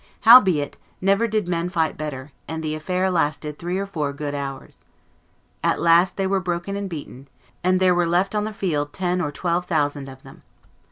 Howbeit, never did men fight better, and the affair lasted three or four good hours. At last they were broken and beaten, and there were left on the field ten or twelve thousand of them.